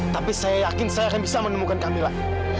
tapi saya yakin saya akan bisa menemukan kamilah